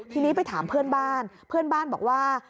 ทีนี้ไปถามเพื่อนบ้านเพื่อนบ้านบอกว่า